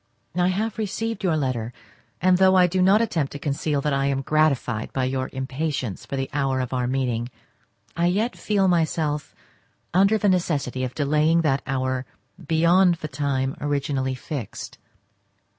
I have received your letter, and though I do not attempt to conceal that I am gratified by your impatience for the hour of meeting, I yet feel myself under the necessity of delaying that hour beyond the time originally fixed.